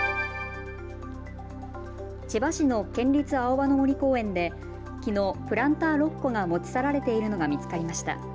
千葉市の県立青葉の森公園できのう、プランター６個が持ち去られているのが見つかりました。